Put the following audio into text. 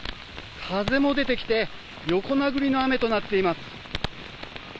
風も出てきて横殴りの雨となっています。